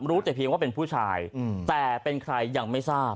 แต่เพียงว่าเป็นผู้ชายแต่เป็นใครยังไม่ทราบ